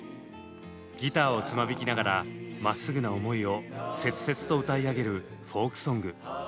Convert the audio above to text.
ギターをつま弾きながらまっすぐな思いを切々と歌い上げるフォークソング。